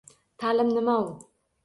Ta’lim – nima u?